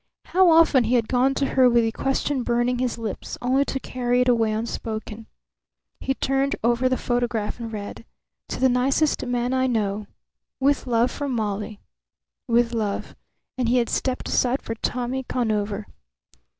How often he had gone to her with the question burning his lips, only to carry it away unspoken! He turned over the photograph and read: "To the nicest man I know. With love from Molly." With love. And he had stepped aside for Tommy Conover!